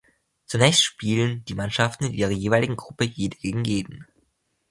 Zunächst spielen die Mannschaften in ihrer jeweiligen Gruppe jeder gegen jeden.